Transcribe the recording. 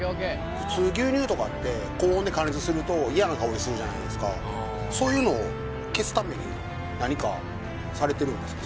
普通牛乳とかって高温で加熱すると嫌な香りするじゃないですかそういうのを消すために何かされてるんですか？